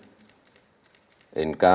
baik dari pajak maupun peningkatan